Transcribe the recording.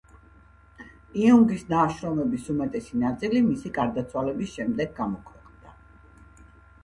იუნგის ნაშრომების უმეტესი ნაწილი მისი გარდაცვალების შემდეგ გამოქვეყნდა.